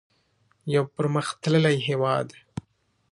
یو پرمختللی هیواد.